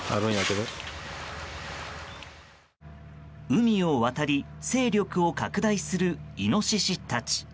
海を渡り勢力を拡大するイノシシたち。